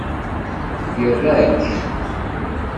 Ira-k!